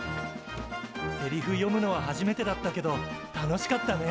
セリフ読むのは初めてだったけど楽しかったね。